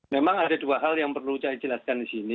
memang ada dua hal yang perlu saya jelaskan di sini